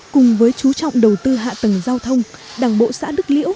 cùng với chú trọng đầu tư hạ tầng giao thông đảng bộ xã đức liễu